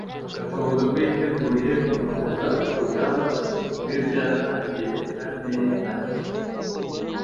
akavuga ko yiteguye gukomeza “urugamba” rw’ibyo yatangiye kandi yitangiye